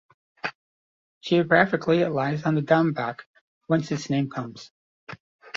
Geographically it lies on the Dammbach, whence its name comes.